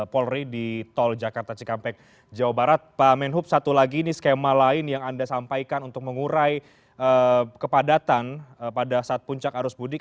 pak menhub satu lagi ini skema lain yang anda sampaikan untuk mengurai kepadatan pada saat puncak arus mudik